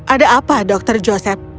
ada apa dr joseph